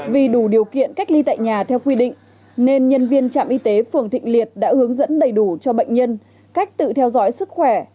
vì đủ điều kiện cách ly tại nhà theo quy định nên nhân viên trạm y tế phường thịnh liệt đã hướng dẫn đầy đủ cho bệnh nhân cách tự theo dõi sức khỏe